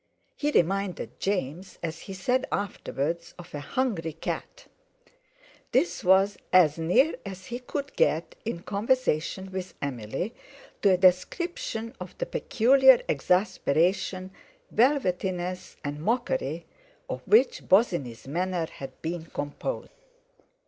He reminded James, as he said afterwards, of a hungry cat. This was as near as he could get, in conversation with Emily, to a description of the peculiar exasperation, velvetiness, and mockery, of which Bosinney's manner had been composed.